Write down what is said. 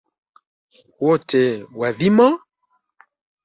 Wote wadhima?